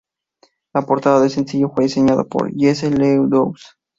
La portada de sencillo fue diseñada por Jesse LeDoux.